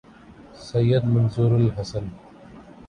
سید Manzoor الحسن